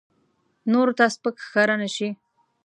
نورو ته سپک ښکاره نه شي.